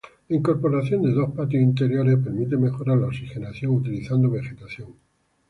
La incorporación de dos patios interiores permite mejorar la oxigenación utilizando vegetación.